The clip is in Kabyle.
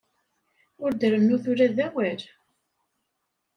Ur d-rennut ula d awal.